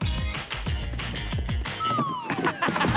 ハハハハハ！